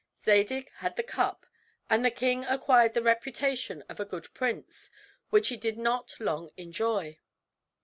Zadig had the cup, and the king acquired the reputation of a good prince, which he did not long enjoy.